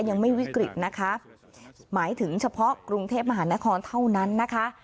ยังไม่วิกฤตนะคะหมายถึงเฉพาะกรุงเทพมหานครเท่านั้นนะคะ